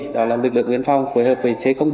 đó là lực lượng biên phòng phối hợp với c bốn